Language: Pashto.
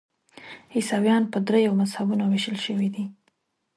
عیسویان په دریو مذهبونو ویشل شوي دي.